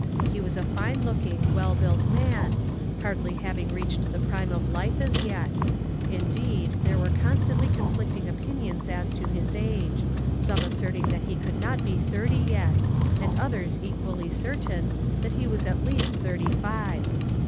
He was a fine looking, well built man, hardly having reached the prime of life as yet ; indeed, there were constantly conflicting opinions as to his age ; some asserting that he could not be thirty yet, and others equally certain that he was at least thirty five.